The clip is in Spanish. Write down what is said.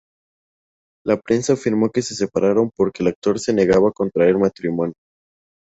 La prensa afirmó que se separaron porque el actor se negaba a contraer matrimonio.